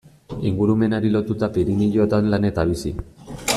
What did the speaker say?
Ingurumenari lotuta Pirinioetan lan eta bizi.